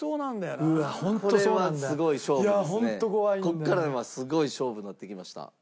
ここからはすごい勝負になってきました。